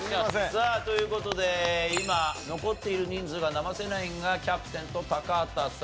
さあという事で今残っている人数が生瀬ナインがキャプテンと高畑さん。